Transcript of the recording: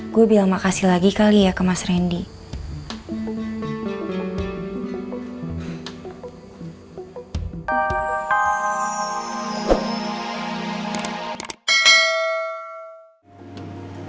gue bilang makasih lagi kali ya ke mas randy